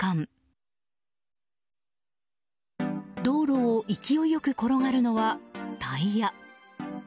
道路を勢いよく転がるのはタイヤ。